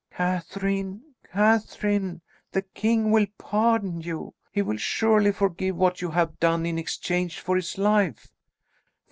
"Catherine, Catherine, the king will pardon you. He will surely forgive what you have done in exchange for his life."